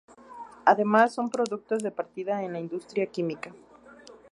Además son productos de partida en la industria química.